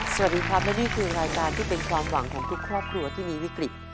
สวัสดีครับและนี่คือรายการที่เป็นความหวังของทุกครอบครัวที่มีวิกฤต